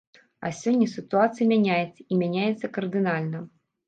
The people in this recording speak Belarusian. А сёння сітуацыі мяняецца, і мяняецца кардынальна.